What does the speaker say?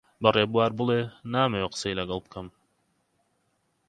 بە ڕێبوار بڵێ نامەوێت قسەی لەگەڵ بکەم.